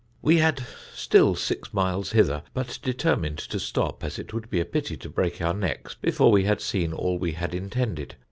We had still six miles hither, but determined to stop, as it would be a pity to break our necks before we had seen all we had intended.